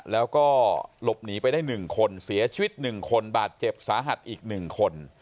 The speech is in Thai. แล้วก็หลบหนีไปได้๑คนเสียชีวิต๑คนบาดเจ็บสาหัสอีก๑คน